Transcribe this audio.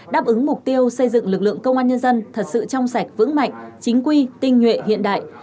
đáp ứng mục tiêu xây dựng lực lượng công an nhân dân thật sự trong sạch vững mạnh chính quy tinh nhuệ hiện đại